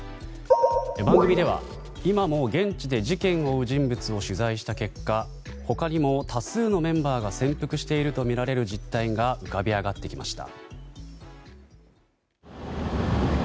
番組では今も現地で事件を追う人物を取材した結果他にも多数のメンバーが潜伏しているとみられる実態が浮かび上がってきました。